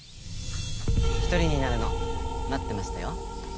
一人になるの待ってましたよ。